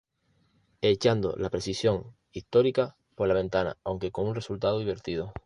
Echando la precisión histórica por la ventana aunque con un resultado divertido".